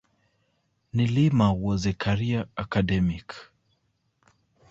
Nilima was a career academic.